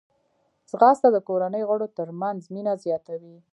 ځغاسته د کورنۍ غړو ترمنځ مینه زیاتوي